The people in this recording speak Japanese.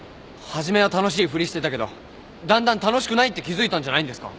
初めは楽しいふりしてたけどだんだん楽しくないって気付いたんじゃないんですか？